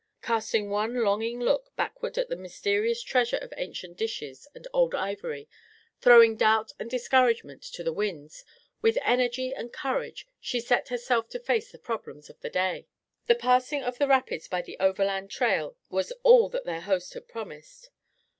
Casting one longing look backward at the mysterious treasure of ancient dishes and old ivory, throwing doubt and discouragement to the winds, with energy and courage she set herself to face the problems of the day. The passing of the rapids by the overland trail was all that their host had promised.